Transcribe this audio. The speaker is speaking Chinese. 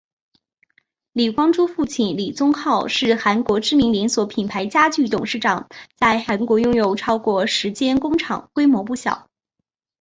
李光洙父亲李宗浩是韩国知名连锁品牌家具董事长在韩国拥有超过十间工厂规模不小。